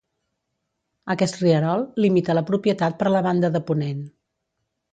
Aquest rierol limita la propietat per la banda de ponent.